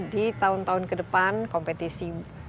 di tahun tahun ke depan kompetisi